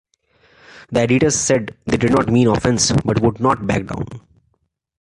The editors said they did not mean offence but would not back down.